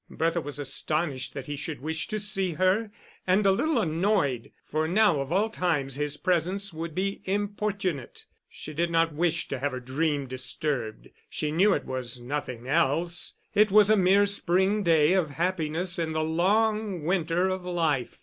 Bertha was astonished that he should wish to see her, and a little annoyed, for now of all times his presence would be importunate. She did not wish to have her dream disturbed, she knew it was nothing else; it was a mere spring day of happiness in the long winter of life.